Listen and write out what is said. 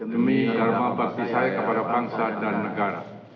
demi dharma bakti saya kepada bangsa dan negara